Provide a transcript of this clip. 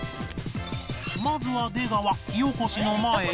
まずは出川火おこしの前に